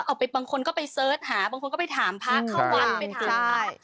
ออกไปบางคนก็ไปเสิร์ชหาบางคนก็ไปถามภาคเข้าวัน